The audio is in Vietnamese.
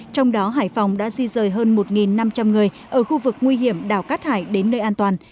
trong đó hải phòng đã di rời hơn một năm trăm linh người ở khu vực nguy hiểm đảo cát hải đến nơi an toàn